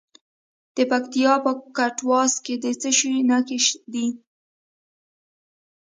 د پکتیکا په کټواز کې د څه شي نښې دي؟